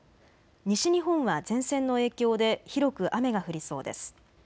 西日本は前線の影響で広く雨が降りそうです。